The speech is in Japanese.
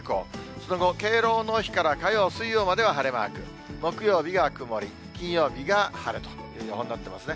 その後、敬老の日から火曜、水曜までは晴れマーク、木曜日が曇り、金曜日が晴れという予報になってますね。